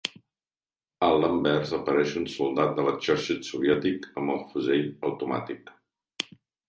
A l'anvers apareix un soldat de l'Exèrcit Soviètic amb el fusell automàtic.